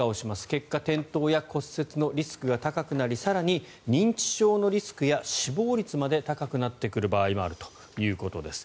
結果、転倒や骨折のリスクが高くなり更に、認知症のリスクや死亡率まで高くなってくる場合もあるということです。